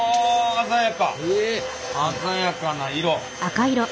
鮮やかな色！